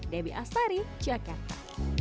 debbie astari jakarta